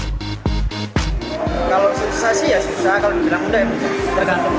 kalau susah sih ya susah kalau dibilang muda ya